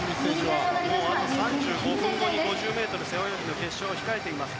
あと３５分後に５０ｍ背泳ぎの決勝を控えています。